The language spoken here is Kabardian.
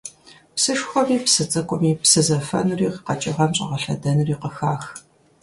Псышхуэми псы цӀыкӀуми псы зэфэнури къэкӀыгъэм щӏагъэлъэдэнури къыхах.